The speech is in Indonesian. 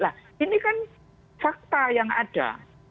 nah ini kan fakta yang ada